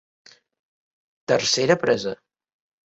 Tercera presa.